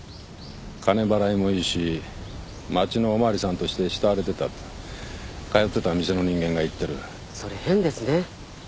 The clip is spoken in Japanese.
金払いもいいし町のおまわりさんとして慕われてたって通ってた店の人間が言ってるそれ変ですね